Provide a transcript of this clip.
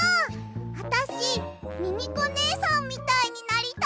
あたしミミコねえさんみたいになりたい！